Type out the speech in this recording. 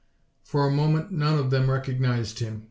For a moment none of them recognized him.